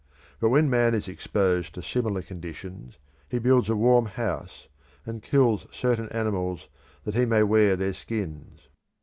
But when man is exposed to similar conditions he builds a warm house and kills certain animals, that he may wear their skins.